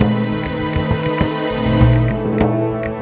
aku punya yang predicted